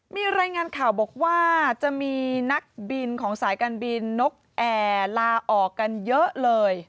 มีรายงานข่าวบอกว่าจะมีนักบินของสายการบินนกแอร์ลาออกกันเยอะเลย